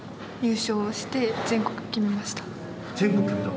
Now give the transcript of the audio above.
全国決めたの？